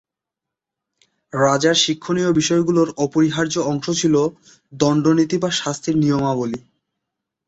রাজার শিক্ষণীয় বিষয়গুলোর অপরিহার্য অংশ ছিল দন্ডনীতি বা শাস্তির নিয়মাবলি।